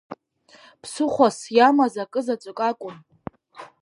Ԥсыхәас иамаз акызаҵәык акәын.